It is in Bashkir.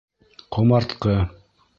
Ҡомартҡы!